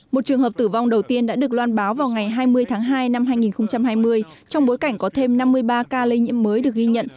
một trường hợp tử vong đầu tiên đã được loan báo vào ngày hai mươi tháng hai năm hai nghìn hai mươi trong bối cảnh có thêm năm mươi ba ca lây nhiễm mới được ghi nhận